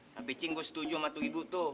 tapi cinggu setuju sama tuh ibu tuh